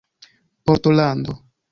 portlando